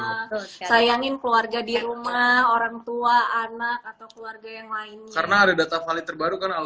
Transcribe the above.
sayangin keluarga di rumah orang tua anak atau keluarga yang lainnya